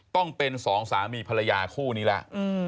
ต้องเป็นสองสามีภรรยาคู่นี้แล้ว